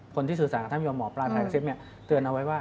คนที่สื่อสารกับท่านยมหมอปลาไทยทรีฟ